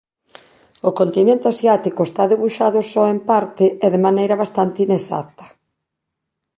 O continente asiático está debuxado só en parte e de maneira bastante inexacta.